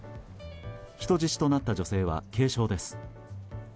人質となった女性は軽傷です。